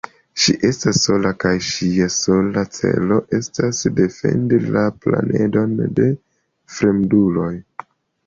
Ŝi estas sola, kaj ŝia sola celo estas defendi la planedon de fremduloj.